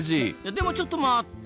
でもちょっと待った！